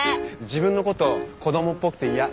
自分のことを子供っぽくて嫌。